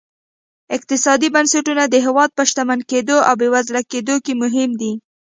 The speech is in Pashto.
اقتصادي بنسټونه د هېواد په شتمن کېدو او بېوزله کېدو کې مهم دي.